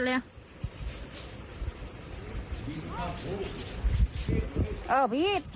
พี่ข้าวผู้